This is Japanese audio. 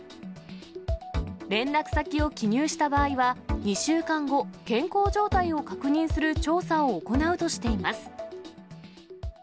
連絡先を記入した場合は、２週間後、健康状態を確認する調査を行うとしています。